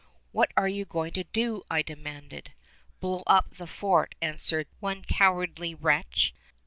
"What are you going to do?" I demanded. "Blow up the fort," answered one cowardly wretch.